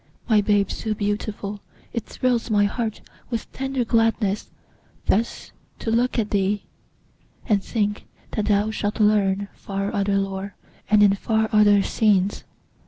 My babe so beautiful! it thrills my heart With tender gladness, thus to look at thee, And think that thou shalt learn far other lore, And in far other scenes!